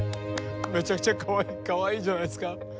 めちゃくちゃかわいいじゃないですか。